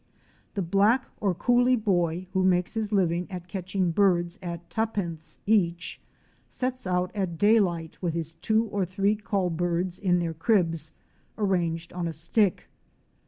The black or coolie boy who makes his living at catching birds at '"'tuppence" each, sets out at daylight with his two or three call birds in their cribs, arranged ona stick.